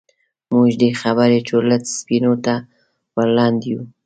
موږ د دې خبرې چورلټ سپينولو ته ور لنډ يوو.